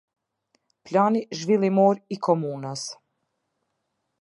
Plani Zhvillimor i Komunës.